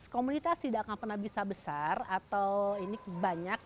komunitas tidak akan pernah bisa besar atau ini banyak